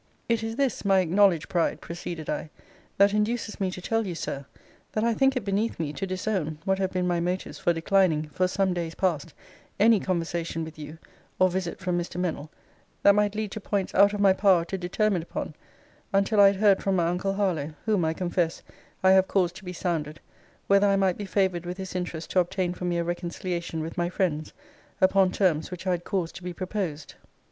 It is this my acknowledged pride, proceeded I, that induces me to tell you, Sir, that I think it beneath me to disown what have been my motives for declining, for some days past, any conversation with you, or visit from Mr. Mennell, that might lead to points out of my power to determine upon, until I heard from my uncle Harlowe; whom, I confess, I have caused to be sounded, whether I might be favoured with his interest to obtain for me a reconciliation with my friends, upon terms which I had caused to be proposed.